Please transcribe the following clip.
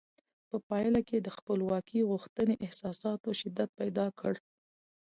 په پایله کې د خپلواکۍ غوښتنې احساساتو شدت پیدا کړ.